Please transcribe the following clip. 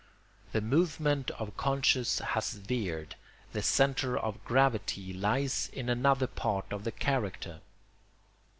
The movement of conscience has veered; the centre of gravity lies in another part of the character.